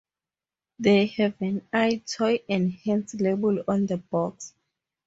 They have an "EyeToy Enhanced" label on the box.